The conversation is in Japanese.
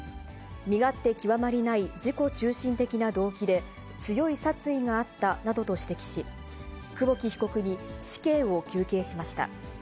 身勝手極まりない自己中心的な動機で、強い殺意があったなどと指摘し、久保木被告に死刑を求刑しました。